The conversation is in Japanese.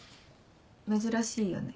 珍しいよね。